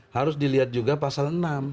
harus dilihat juga pasal enam